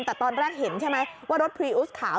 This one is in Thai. แต่ตอนแรกเห็นใช่ไหมว่ารถพรีอุสขาว